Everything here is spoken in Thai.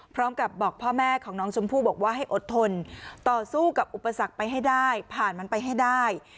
พร้อมกับบอกพ่อแม่ของน้องชมพู่บอกว่าให้อดทนต่อสู้กับอุปสรรคไปให้ได้ผ่านมันไปให้ได้